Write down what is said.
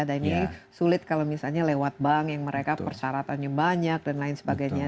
dan ini sulit kalau misalnya lewat bank yang mereka persyaratannya banyak dan lain sebagainya